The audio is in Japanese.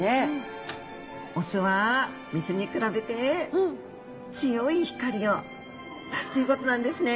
オスはメスに比べて強い光を出すということなんですね。